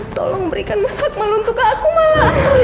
tolong berikan masak meluntuk ke aku mala